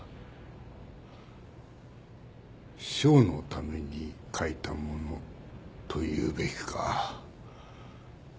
賞のために書いたものというべきか。